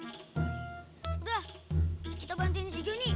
udah kita bantuin si johnny